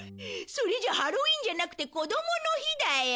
それじゃハロウィンじゃなくてこどもの日だよ。